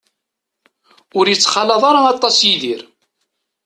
Ur ittxalaḍ ara aṭas Yidir.